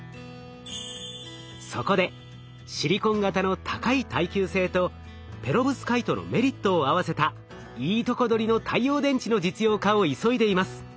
そこでシリコン型の高い耐久性とペロブスカイトのメリットを合わせたいいとこ取りの太陽電池の実用化を急いでいます。